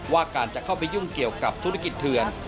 ว่าการจะเข้าไปยุ่งเกี่ยวกับธุรกิจเถื่อน